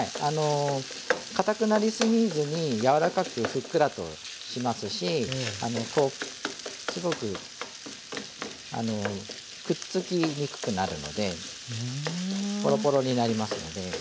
かたくなりすぎずに柔らかくふっくらとしますしすごくくっつきにくくなるのでポロポロになりますので。